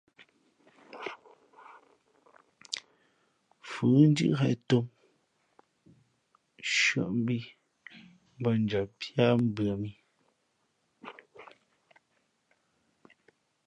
Fʉ̌ ndíʼ ghěn tōm, nshʉᾱ bī bᾱ njam píá mbʉα mǐ.